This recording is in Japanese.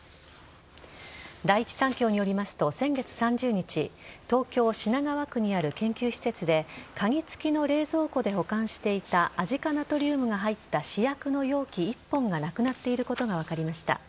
第一三共によりますと先月３０日東京・品川区にある研究施設で鍵付きの冷蔵庫で保管していたアジ化ナトリウムが入った試薬の容器１本がなくなっていることが分かりました。